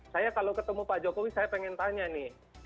saya kalau ketemu pak jokowi saya pengen tanya nih